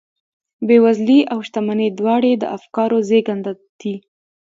بېوزلي او شتمني دواړې د افکارو زېږنده دي.